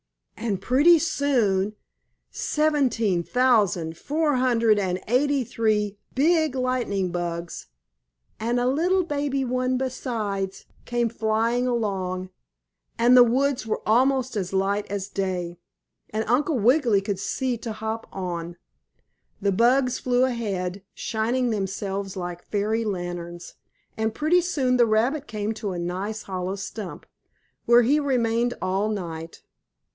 And pretty soon seventeen thousand, four hundred and eighty three big lightning bugs, and a little baby one besides, came flying along, and the woods were almost as light as day, and Uncle Wiggily could see to hop on. The bugs flew ahead, shining themselves like fairy lanterns, and pretty soon the rabbit came to a nice hollow stump, where he remained all night.